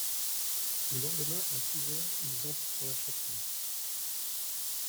Le lendemain à six heures, ils entraient dans la chapelle.